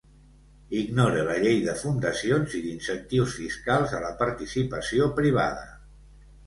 Ignore la llei de fundacions i d'incentius fiscals a la participació privada.